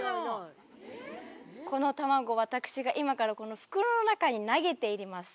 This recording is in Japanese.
この卵私が今からこの袋の中に投げて入れます。